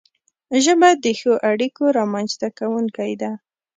ژبه د ښو اړیکو رامنځته کونکی ده